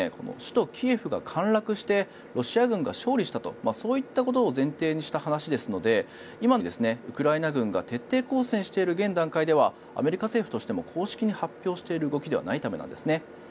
首都キエフが陥落してロシア軍が勝利したとそういったことを前提にした話ですので今のようにウクライナ軍が徹底抗戦している現段階ではアメリカ政府としても公式に発表している動きではないためなんですね。